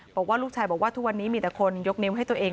บอกว่าลูกชายบอกว่าทุกวันนี้มีแต่คนยกนิ้วให้ตัวเอง